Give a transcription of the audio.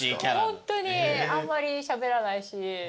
ホントにあんまりしゃべらないし。